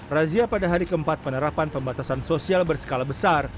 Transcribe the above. razia pada hari keempat penerapan pembatasan sosial berskala besar